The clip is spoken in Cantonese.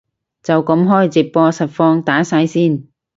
就噉開直播實況打晒先